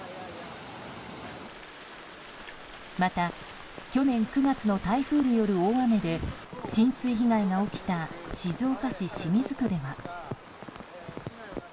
また、去年９月の台風による大雨で浸水被害が起きた静岡市清水区では。